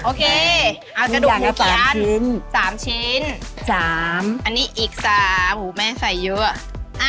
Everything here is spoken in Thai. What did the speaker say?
โอเคเอากระดูกหูแกร้านสามชิ้นสามอันนี้อีกสามอู๋แม่ใส่เยอะ